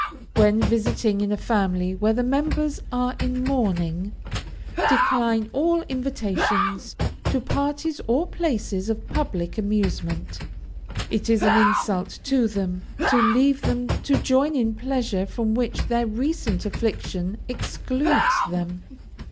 When visiting in a family where the members are in mourning, decline all invitations to parties or places of public amusement. It is an insult to them to leave them to join in pleasure from which their recent affliction excludes them.